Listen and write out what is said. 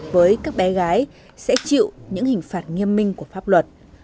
với các bé gái sẽ chịu những hình phạt nghiêm minh của pháp luật